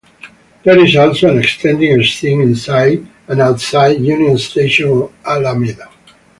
There is also an extended scene inside and outside Union Station on Alameda.